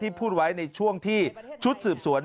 พูดไว้ในช่วงที่ชุดสืบสวน